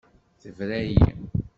Tebra-yi.